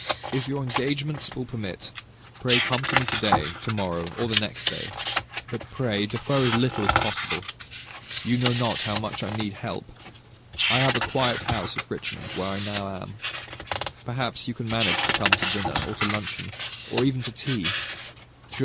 If your engagements will permit, pray come to me to day, to morrow, or the next day; but, pray defer as little as possible. You know not how much I need help. I have a quiet house at Richmond, where I now am. Perhaps you can manage to come to dinner, or to luncheon, or even to tea.